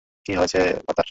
কী হয়েছে, ভানাতি?